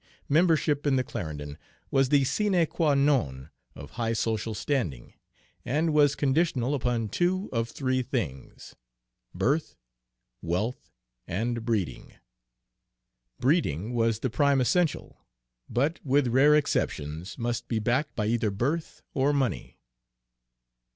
Membership in the Clarendon was the sine qua non of high social standing, and was conditional upon two of three things, birth, wealth, and breeding. Breeding was the prime essential, but, with rare exceptions, must be backed by either birth or money.